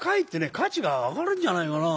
価値が上がるんじゃないかなあ。